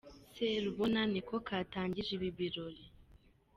S Rubona niko katangije ibi birori.